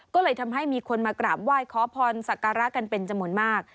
ก็เลยทำให้มีคนมากราบไหว้ขอพรสักการะกันเป็นจำนวนมาก